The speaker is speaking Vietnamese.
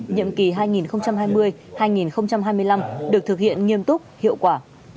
nhiệm kỳ hai nghìn hai mươi hai nghìn hai mươi năm được thực hiện nghiêm túc hiệu quả